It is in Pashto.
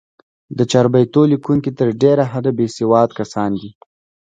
د چاربیتو لیکوونکي تر ډېره حده، بېسواد کسان دي.